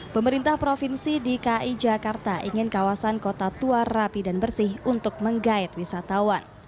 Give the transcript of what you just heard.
pemerintah provinsi dki jakarta ingin kawasan kota tua rapi dan bersih untuk menggait wisatawan